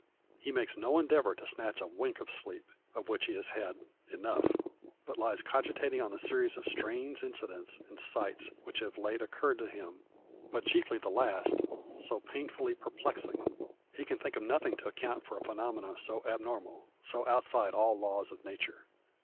He makes no endeavour to snatch a wink of sleep, of which he has had enough; but lies cogitating on the series of strange incidents and sights which have late occurred to him, but chiefly the last, so painfully perplexing. He can think of nothing to account for a phenomenon so abnormal, so outside all laws of nature.